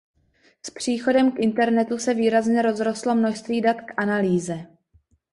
S příchodem internetu se výrazně rozrostlo množství dat k analýze.